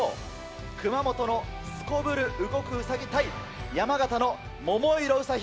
熊本のすこぶる動くウサギ対、山形の桃色ウサヒ。